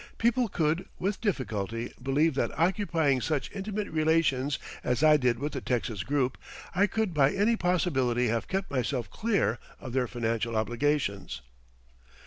People could, with difficulty, believe that occupying such intimate relations as I did with the Texas group, I could by any possibility have kept myself clear of their financial obligations.